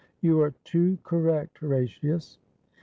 You are too correct, Horatius.